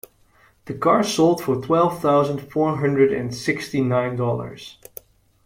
The car sold for twelve thousand four hundred and sixty nine dollars.